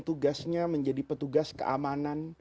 tugasnya menjadi petugas keamanan